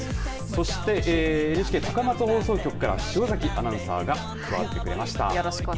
そしてＮＨＫ高松放送局から塩崎アナウンサーが加わってくれました。